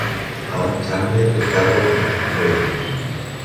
Alan Sagner i Carleton Beals.